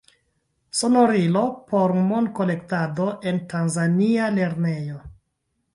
Sonorilo por monkolektado en tanzania lernejo.